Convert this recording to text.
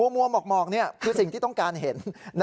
มัวหมอกนี่คือสิ่งที่ต้องการเห็น